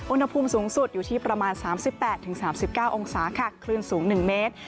อุณหภูมิสูงสุดอยู่ที่ประมาณ๓๘๓๙องศาค่ะคลื่นสูง๑เมตร